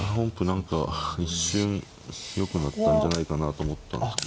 何か一瞬よくなったんじゃないかなと思ったんですけど。